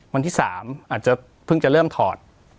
วันที่๓อาจจะเพิ่งจะเริ่มถอด